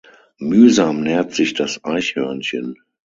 Mühsam nährt sich das Eichhörnchen.